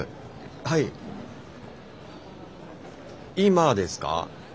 はい今ですか？